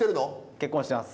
結婚してます。